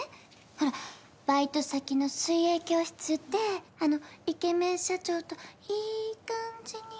ほらバイト先の水泳教室であのイケメン社長といい感じに。